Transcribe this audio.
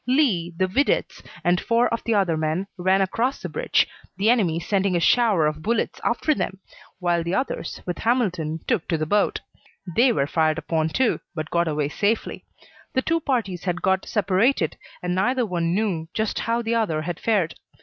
Lee, the videttes, and four of the other men ran across the bridge the enemy sending a shower of bullets after them while the others, with Hamilton, took to the boat. They were fired upon too, but got away safely. The two parties had got separated, and neither one knew just how the other had fared.